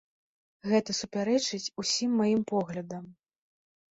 Гэта супярэчыць усім маім поглядам.